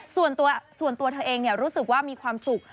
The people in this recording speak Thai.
ส่วนตัวเธอเองรู้สึกว่ามีความสุข